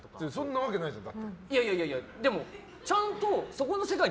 なわけないじゃん。